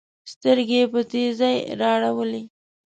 سترګي یې په تېزۍ اړولې